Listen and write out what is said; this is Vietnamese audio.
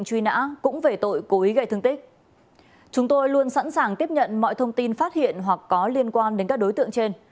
chúng tôi luôn sẵn sàng tiếp nhận mọi thông tin phát hiện hoặc có liên quan đến các đối tượng trên